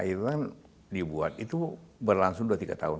itu kan dibuat itu berlangsung dua tiga tahun